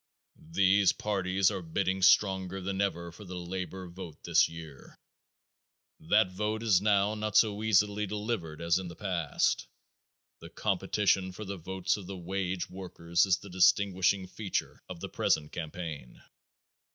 These parties are bidding stronger than ever for the labor vote this year. That vote is now not so easily delivered as in the past. The competition for the votes of the wage workers is the distinguishing feature of the present campaign.